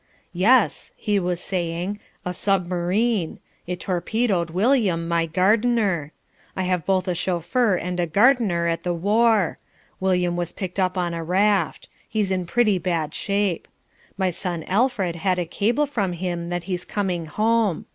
"Yes," he was saying, "a submarine. It torpedoed William, my gardener. I have both a chauffeur and a gardener at the war. William was picked up on a raft. He's in pretty bad shape. My son Alfred had a cable from him that he's coming home.